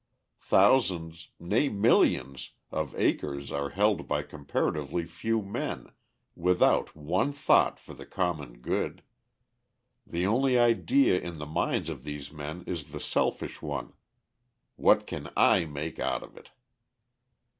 Thousands, nay millions, of acres are held by comparatively few men, without one thought for the common good. The only idea in the minds of these men is the selfish one: "What can I make out of it?"